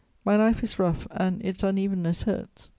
My life is rough and its unevenness hurts.